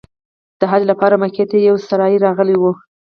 د حج لپاره مکې ته یو سارایي راغلی و.